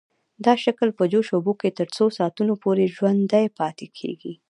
دا شکل په جوش اوبو کې تر څو ساعتونو پورې ژوندی پاتې کیږي.